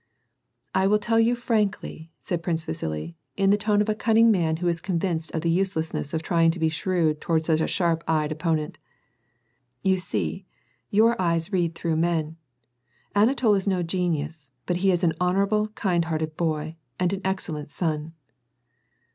"I will tell you frankly," said Prince Vasili, in the tone of a cwming man who is convinced of the uselessness of trying to be shrewd toward such a sharp eyed opponent. " You see, your eyes read through men. Anatol is no genius, but he is an honorable, kind hearted boy, and an excellent son."